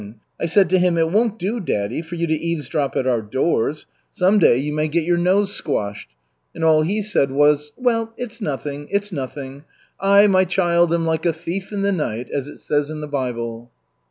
I said to him, 'It won't do, daddy, for you to eavesdrop at our doors. Some day you may get your nose squashed. And all he said was, 'Well, well, it's nothing, it's nothing. I, my child, am like a thief in the night, as it says in the Bible.'"